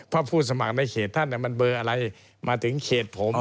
เพราะผู้สมัครในเขตท่านมันเบอร์อะไรมาถึงเขตผม